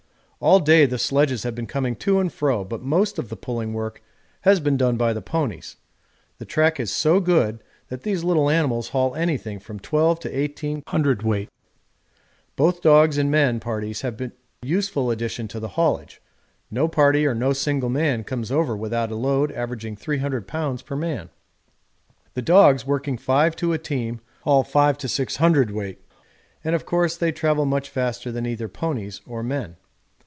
All day the sledges have been coming to and fro, but most of the pulling work has been done by the ponies: the track is so good that these little animals haul anything from 12 to 18 cwt. Both dogs and men parties have been a useful addition to the haulage no party or no single man comes over without a load averaging 300 lbs. per man. The dogs, working five to a team, haul 5 to 6 cwt. and of course they travel much faster than either ponies or men.